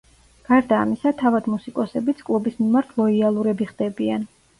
გარდა ამისა თავად მუსიკოსებიც კლუბის მიმართ ლოიალურები ხდებიან.